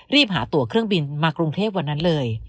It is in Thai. รีบหาตัวเครื่องบินมากรุงเทพวันนั้นเลย